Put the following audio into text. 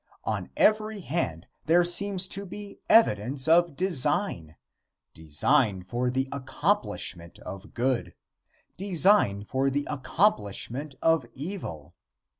On every hand there seems to be evidence of design design for the accomplishment of good, design for the accomplishment of evil.